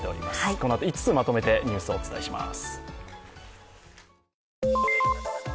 このあと５つまとめてニュースをお伝えします。